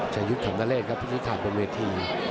จะยุดขำนาเลชครับพี่ชิคกี้พายบนเวที